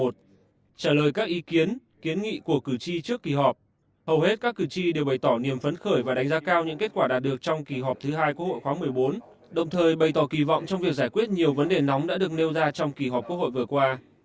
trả lời các ý kiến kiến nghị của cử tri trước kỳ họp hầu hết các cử tri đều bày tỏ niềm phấn khởi và đánh giá cao những kết quả đạt được trong kỳ họp thứ hai quốc hội khóa một mươi bốn đồng thời bày tỏ kỳ vọng trong việc giải quyết nhiều vấn đề nóng đã được nêu ra trong kỳ họp quốc hội vừa qua